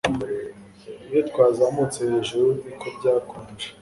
Iyo twazamutse hejuru niko byakonje